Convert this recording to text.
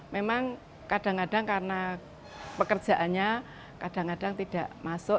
memang kadang kadang karena pekerjaannya kadang kadang tidak masuk